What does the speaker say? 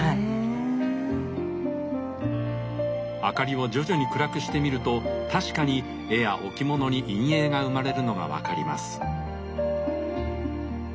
あかりを徐々に暗くしてみると確かに絵や置物に陰影が生まれるのが分かります。